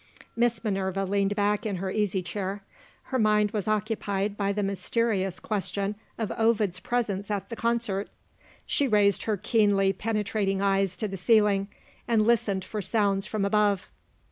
Miss Minerva leaned back in her easy chair. Her mind was occupied by the mysterious question of Ovid's presence at the concert. She raised her keenly penetrating eyes to the ceiling, and listened for sounds from above.